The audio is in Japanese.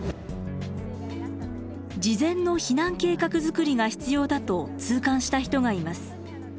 事前の避難計画作りが必要だと痛感した人がいます。